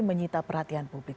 menyita perhatian publik